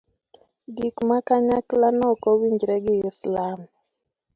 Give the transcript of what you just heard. gik ma kanyakla no ok owinjre gi islam